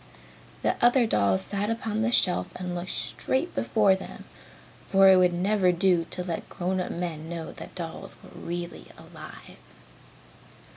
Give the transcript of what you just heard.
The other dolls sat upon the shelf and looked straight before them, for it would never do to let grown up men know that dolls were really alive.